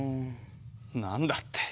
何だって？